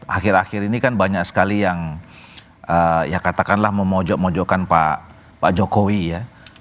akhir akhir ini kan banyak sekali yang ya katakanlah memojok mojokkan pak jokowi ya